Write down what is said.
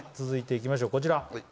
続いていきましょうこちら。